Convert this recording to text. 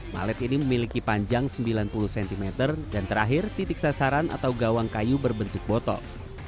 malet ini memiliki panjang sembilan puluh cm dan terakhir titik sasaran atau gawang kayu berbentuk botol